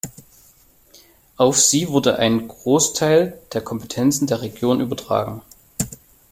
Auf sie wurde ein Großteil der Kompetenzen der Region übertragen.